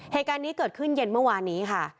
เหตุการณ์นี้เกิดขึ้นเย็นเมื่อวานนี้ค่ะ